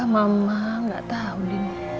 mama gak tau din